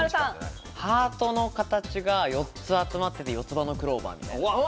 ハートの形が４つ集まって四つ葉のクローバーみたいな。